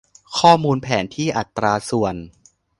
ข้อมูลแผนที่อัตราส่วน